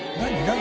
何？